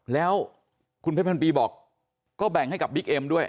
แล้วคุณเพชรพันปีบอกก็แบ่งให้กับบิ๊กเอ็มด้วย